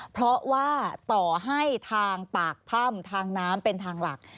เพราะว่าต่อให้ทางปากถ้ำทางน้ำเป็นทางหลัก